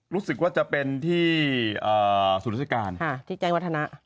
รู้สึกว่าจะเป็นที่ศูนย์ราชการที่แจ้งวัฒนะ